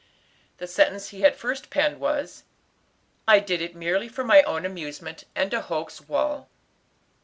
The sentence he had first penned was, "I did it merely for my own amusement, and to hoax Wal."